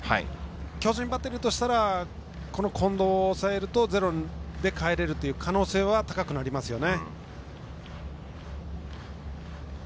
巨人バッテリーとしたらこの近藤を抑えるとゼロでかえれるという可能性は高くなりますよね。